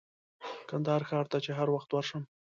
کندهار ښار ته چې هر وخت ورشم.